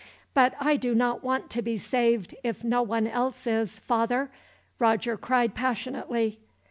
"But I do not want to be saved, if no one else is, father," Roger cried passionately.